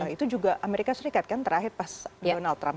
itu juga amerika serikat kan terakhir pas donald trump